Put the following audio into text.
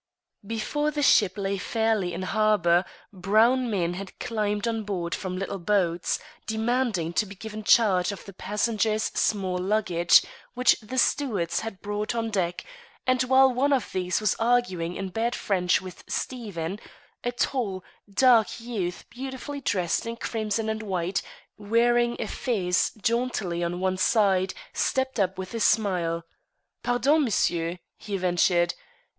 Before the ship lay fairly in harbour, brown men had climbed on board from little boats, demanding to be given charge of the passengers' small luggage, which the stewards had brought on deck, and while one of these was arguing in bad French with Stephen, a tall, dark youth beautifully dressed in crimson and white, wearing a fez jauntily on one side, stepped up with a smile. "Pardon, monsieur," he ventured.